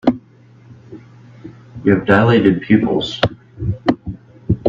You have dilated pupils.